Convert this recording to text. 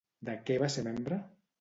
De què va ser membre?